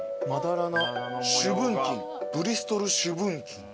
朱文金ブリストル朱文金。